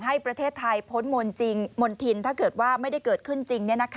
ให้ประเทศไทยพ้นมนจริงมณฑินถ้าเกิดว่าไม่ได้เกิดขึ้นจริง